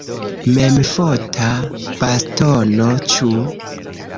Memfota bastono, ĉu?